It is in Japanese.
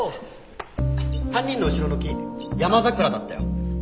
３人の後ろの木ヤマザクラだったよ。